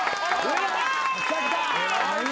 来た来た。